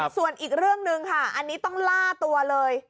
ส่วนอีกเรื่องหนึ่งค่ะอันนี้ต้องล่าตัวเลย